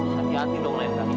hati hati dong ndre